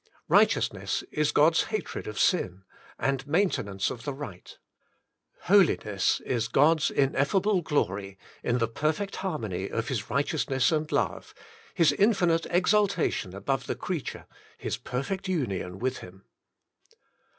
Righteousness is God's hatred of sin, and maintenance of the right. Holiness is God's in effable glory, in the perfect harmony of His right eousness and love. His infinite exaltation above the creature. His perfect union with him.